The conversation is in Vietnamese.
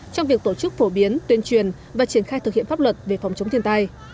trong việc tổ chức phổ biến tuyên truyền và triển khai thực hiện pháp luật về phòng chống thiên tai